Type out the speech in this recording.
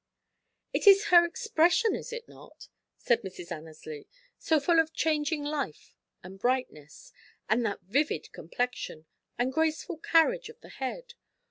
"It is her expression, is it not?" said Mrs. Annesley, "so full of changing life and brightness, and that vivid complexion, and graceful carriage of the head.